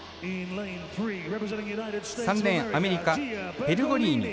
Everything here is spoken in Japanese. ３レーン、アメリカペルゴリーニ。